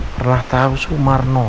perlah tahu sumarno